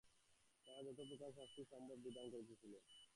তাহার যত প্রকার শাস্তি সম্ভব তাহার বিধান করিতেছিলেন।